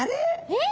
えっ！？